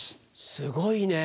すごいね。